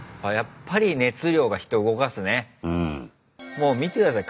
もう見て下さい。